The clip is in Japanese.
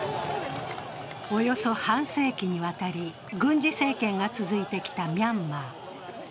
およそ半世紀にわたり軍事政権が続いてきたミャンマー。